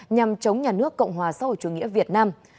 nhằm chống nhà nước cộng hòa xã hội chủ nghĩa việt nam